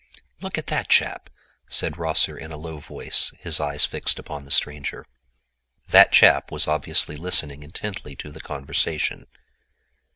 "Look at that chap!" said Rosser in a low voice, his eyes fixed upon the stranger. That chap was obviously listening intently to the conversation.